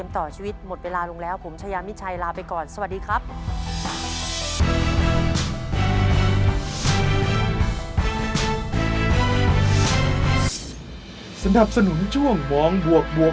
ต่อชีวิตหมดเวลาลงแล้วผมชายามิชัยลาไปก่อนสวัสดีครับ